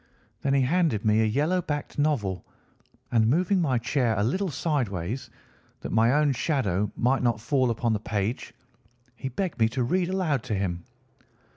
Then he handed me a yellow backed novel, and moving my chair a little sideways, that my own shadow might not fall upon the page, he begged me to read aloud to him.